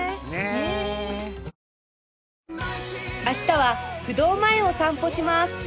明日は不動前を散歩します